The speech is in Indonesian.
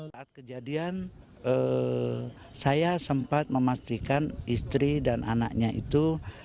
saat kejadian saya sempat memastikan istri dan anaknya itu